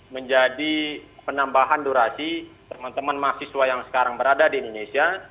menjadi penambahan durasi teman teman mahasiswa yang sekarang berada di indonesia